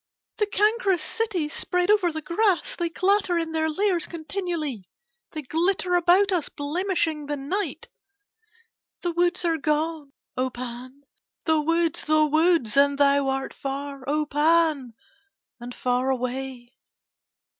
"The cancrous cities spread over the grass, they clatter in their lairs continually, they glitter about us blemishing the night. "The woods are gone, O Pan, the woods, the woods. And thou art far, O Pan, and far away."